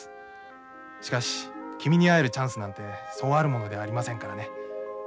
しかし君にあえるチャンスなんてそうあるものではありませんからね。